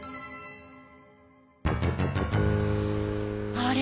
あれ？